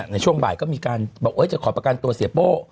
ในช่วงบ่ายก็มีการบอกจะขอประกันตัวเสียโป้